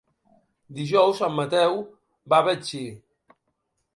Dijous en Mateu va a Betxí.